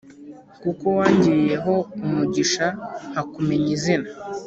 Kuko wangiriyeho umugisha nkakumenya izina